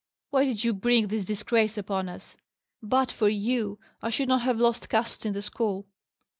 Why did you bring this disgrace upon us? But for you, I should not have lost caste in the school."